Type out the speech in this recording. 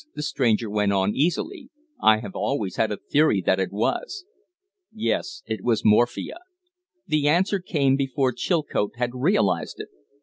the stranger went on easily. "I have always had a theory that it was." "Yes. It was morphia." The answer came before Chilcote had realized it.